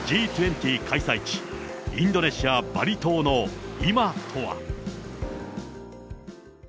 開催地、インドネシア・バリ島の今とは。